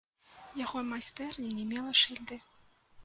Яго майстэрня не мела шыльды.